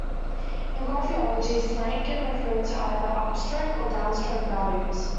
In Graphology slant can refer to either upstroke or downstroke values.